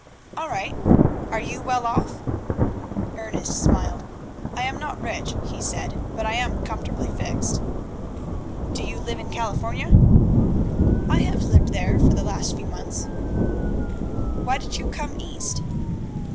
"All right. Are you well off?" Ernest smiled. "I am not rich," he said, "but I am comfortably fixed." "Do you live in California?" "I have lived there for the last few months." "Why did you come East?"